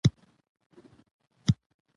اداره د قانوني حدودو رعایت کوي.